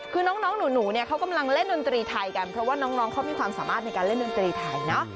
คือน้องหนูเนี่ยเขากำลังเล่นดนตรีไทยกันเพราะว่าน้องเขามีความสามารถในการเล่นดนตรีไทยเนอะ